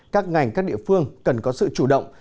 các ngành các địa phương cần có sự chủ động